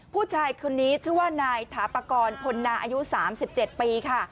ผู้ชายคนนี้ชื่อว่านายถาปากรพลนาอายุ๓๗ปีค่ะ